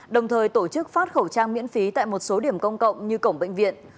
đồng thời tổ chức phát khẩu trang miễn phí tại một số điểm công cộng như cổng bệnh viện